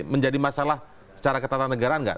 menjadi masalah secara ke tata negara nggak